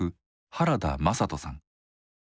原田眞人さん。